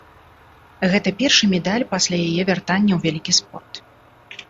Гэта першы медаль пасля яе вяртання ў вялікі спорт.